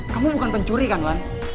kamu bukan pencuri kan wan